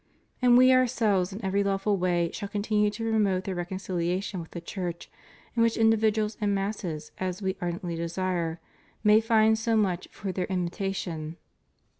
And We Ourselves in every lawful way shall continue to promote their recon cihation with the Church in which individuals and masses, as We ardently desire, may find so much for their imi tation.